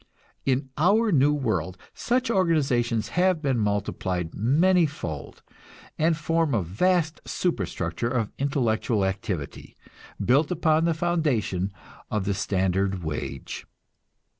In our new world such organizations have been multiplied many fold, and form a vast superstructure of intellectual activity, built upon the foundation of the standard wage.